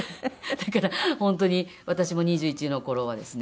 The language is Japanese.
だから本当に私も２１の頃はですね